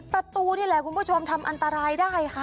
ประตูนี่แหละคุณผู้ชมทำอันตรายได้ค่ะ